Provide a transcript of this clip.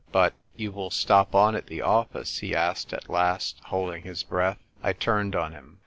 "But — you will stop on at the office ?" he asked at last, holding his breath. I turned on him.